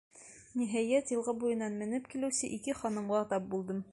Ниһайәт, йылға буйынан менеп килеүсе ике ханымға тап булдым.